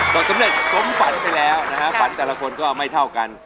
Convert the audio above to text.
ก็สำเร็จสมฝันไปแล้วนะฮะฝันแต่ละคนก็ไม่เท่ากัน